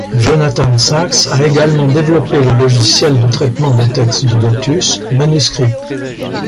Jonathan Sachs a également développé le logiciel de traitement de texte de Lotus, Manuscript.